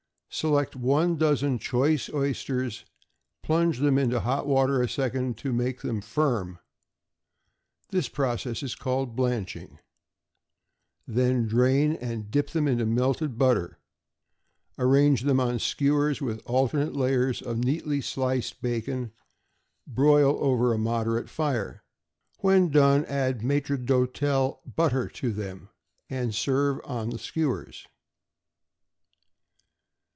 = Select one dozen choice oysters; plunge them into hot water a second to make them firm (this process is called blanching), then drain, and dip them into melted butter; arrange them on skewers with alternate layers of neatly sliced bacon; broil over a moderate fire. When done, add maitre d'hôtel butter to them, and serve on the skewers.